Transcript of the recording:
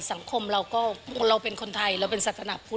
สังคมเราก็เราก็มิวเราเป็นคนไทยเราเป็นสัตวนภุทธ์